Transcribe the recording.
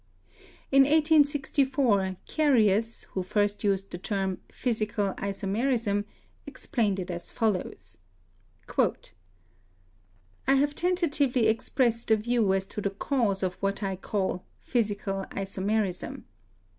In 1864 Carius, who first used the term "physical iso merism," explained it as follows : "I have tentatively expressed a view as to the cause of what I call 'physical isomerism.'